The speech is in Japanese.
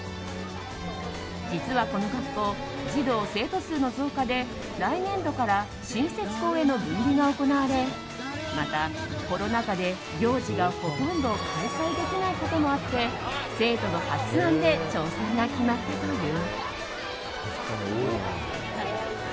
実はこの学校児童、生徒数の増加で来年度から新設校への分離が行われまた、コロナ禍で行事がほとんど開催できないこともあって生徒の発案で挑戦が決まったという。